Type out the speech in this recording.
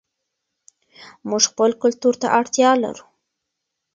موږ خپل کلتور ته اړتیا لرو.